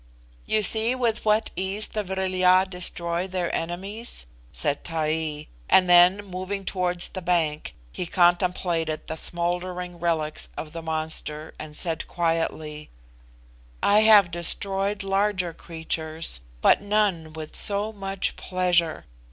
"You see with what ease the Vril ya destroy their enemies," said Taee; and then, moving towards the bank, he contemplated the smouldering relics of the monster, and said quietly, "I have destroyed larger creatures, but none with so much pleasure.